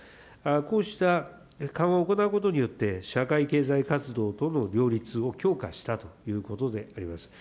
こうした緩和を行うことによって、社会経済活動との両立を強化したということであります。